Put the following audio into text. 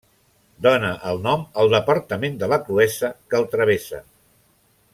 Dóna el nom al departament de la Cruesa, que el travessa.